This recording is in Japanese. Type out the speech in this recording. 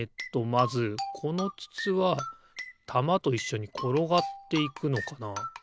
まずこのつつはたまといっしょにころがっていくのかな。